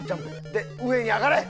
で上に上がれ！